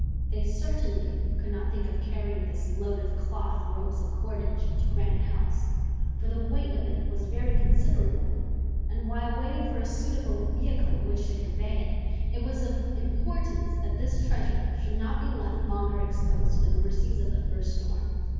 They certainly could not think of carrying this load of cloth, ropes, and cordage, to Granite House, for the weight of it was very considerable, and while waiting for a suitable vehicle in which to convey it, it was of importance that this treasure should not be left longer exposed to the mercies of the first storm.